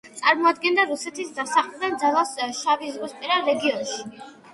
წარმოადგენდა რუსეთის დასაყრდენ ძალას შავიზღვისპირა რეგიონში.